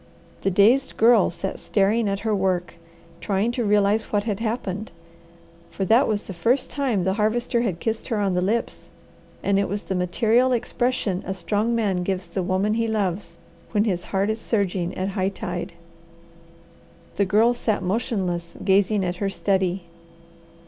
The dazed Girl sat staring at her work, trying to realize what had happened; for that was the first time the Harvester had kissed her on the lips, and it was the material expression a strong man gives the woman he loves when his heart is surging at high tide. The Girl sat motionless, gazing at her study.